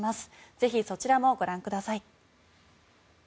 ぜひそちらもご覧ください。